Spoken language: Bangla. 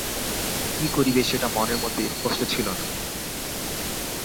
কী করিবে সেটা মনের মধ্যে স্পষ্ট ছিল না।